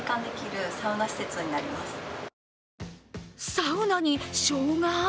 サウナにしょうが！？